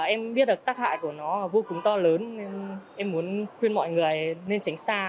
em biết là tác hại của nó vô cùng to lớn nên em muốn khuyên mọi người nên tránh xa